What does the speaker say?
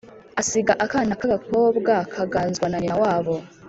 asiga akana kagakobwa kangazwa na nyina wabo